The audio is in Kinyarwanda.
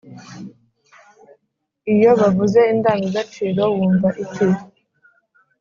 iyo bavuze indangagaciro, wumva iki